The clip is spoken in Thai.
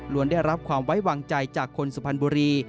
ได้รับความไว้วางใจจากคนสุพรรณบุรี